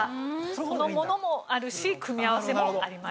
そのものもあるし組み合わせもありました。